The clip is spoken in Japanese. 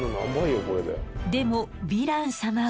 でもヴィラン様は？